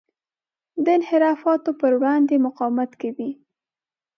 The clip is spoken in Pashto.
د انحرافاتو پر وړاندې مقاومت کوي.